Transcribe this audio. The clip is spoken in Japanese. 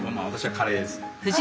カレーで。